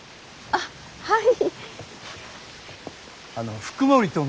あっはい。